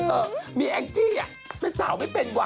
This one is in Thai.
เออมีแองจี้อ่ะเป็นสาวไม่เป็นว่